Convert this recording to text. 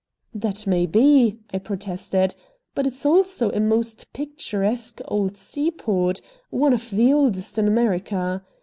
"That may be," I protested. "But it's also a most picturesque old seaport, one of the oldest in America.